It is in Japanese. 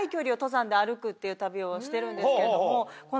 いう旅をしてるんですけれども。